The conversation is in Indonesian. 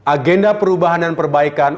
agenda perubahan dan perbaikan